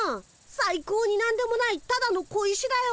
さい高になんでもないただの小石だよ。